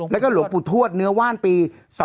แล้วก็หลวงปุถวชเนื้อว่านปี๒๔๙๗